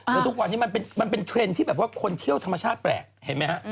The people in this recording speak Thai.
แล้วทุกวันนี้มันเป็นเทรนด์ที่แบบว่าคนเที่ยวธรรมชาติแปลกเห็นไหมฮะ